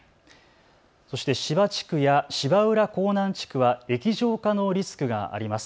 そして芝地区や芝浦港南地区は液状化のリスクがあります。